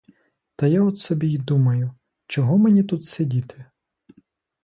То я от собі й думаю, чого мені тут сидіти?